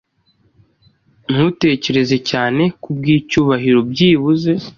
Ntutekereze cyane kubwicyubahiro byibuze